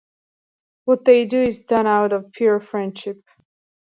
What they do is done out of pure friendship.